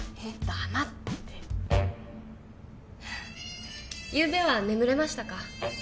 黙っててゆうべは眠れましたか？